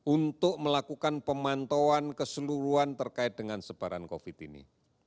untuk melakukan pemantauan keseluruhan terkait dengan sebaran covid ini